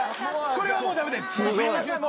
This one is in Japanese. これはもう駄目です。